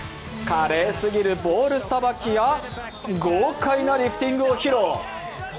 華麗すぎるボールさばきや豪快なリフティングを披露。